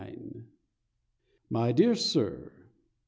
My Dear Sir.